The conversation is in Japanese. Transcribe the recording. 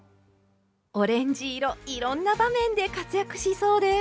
オレンジ色いろんな場面で活躍しそうです。